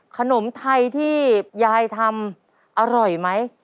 ขนมไทยที่ยายทำอร่อยไหม